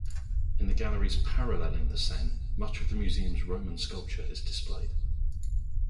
In the galleries paralleling the Seine, much of the museum's Roman sculpture is displayed.